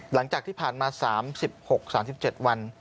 หลังจากที่ผ่านมา๓๖๓๗วัน